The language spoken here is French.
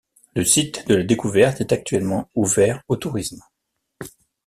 Le site de la découverte est actuellement ouvert au tourisme.